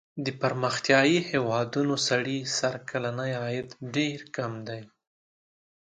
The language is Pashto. د پرمختیايي هېوادونو سړي سر کلنی عاید ډېر کم دی.